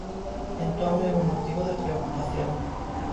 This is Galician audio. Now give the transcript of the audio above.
Entón é un motivo de preocupación.